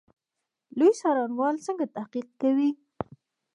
لوی څارنوالي څنګه تحقیق کوي؟